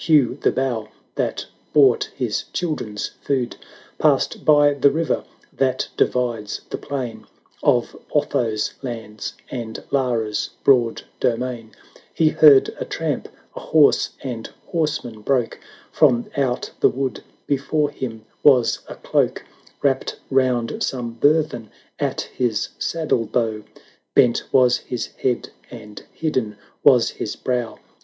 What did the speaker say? ] LARA 411 And hew the bough that bought his children's food, 1200 Passed by the river that divides the plain Of Otho's lands and Lara's broad domain: He heard a tramp — a horse and horse man broke From out the wood — before him was a cloak Wrapt round some burthen at his saddle bow, Bent was his head, and hidden was his brow.